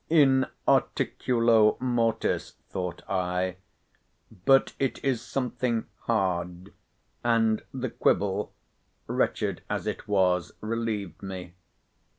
In Articulo Mortis, thought I; but it is something hard—and the quibble, wretched as it was, relieved me.